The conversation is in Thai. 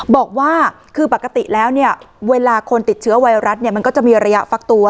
บอกว่าปกติแล้วเวลาคนติดเชื้อไวรัสก็จะมีระยะฟักตัว